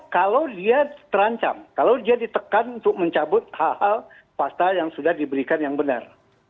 kalau dia terancam kalau dia ditekan untuk mencabut hal hal pasta yang sudah diberikan yang benar